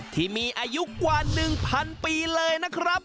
ที่มีอายุกว่า๑๐๐ปีเลยนะครับ